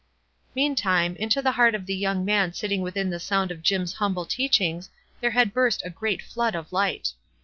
Meantime, into the heart of the young man fitting within the sound of Jim's humble teach ings there had burst a great flood of light.